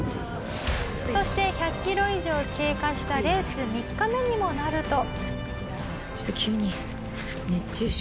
そして１００キロ以上経過したレース３日目にもなると。